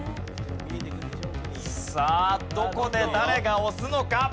さあどこで誰が押すのか？